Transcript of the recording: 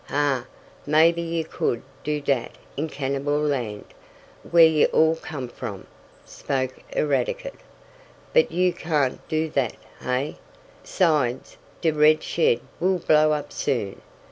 "Huh! Maybe yo' could do dat in cannibal land, where yo' all come from," spoke Eradicate, "but yo' can't do dat heah! 'Sides, de red shed will blow up soon.